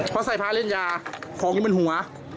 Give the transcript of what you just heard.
พอใส่พาเล่นยาของนี่เป็นหัว